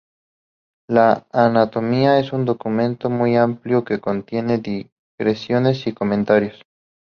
La "Anatomía" es un documento muy amplio, que contiene digresiones y comentarios.